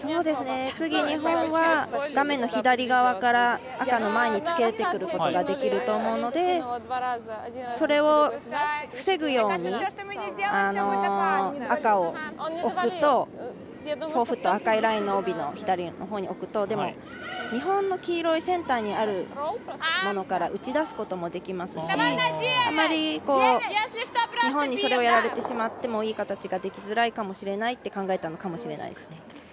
次、日本は画面の左側から赤の前につけてくることができると思うのでそれを、防ぐように赤を置くと赤いラインの帯の左のほうに置くとでも、日本の黄色のセンターにあるものから打ち出すこともできますしあまり、日本にそれをやられてしまってもいい形ができづらいかもしれないと考えたのかもしれないですね。